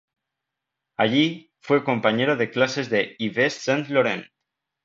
Allí, fue compañero de clases de Yves Saint-Laurent.